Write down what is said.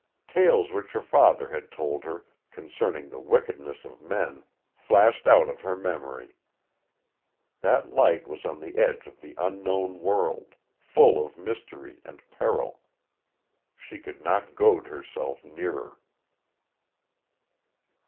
Tales which her father had told her concerning the wickedness of men flashed out of her memory. That light was on the edge of the unknown world full of mystery and peril. She could not goad herself nearer.